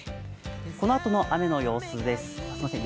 このあとの雨の予想です。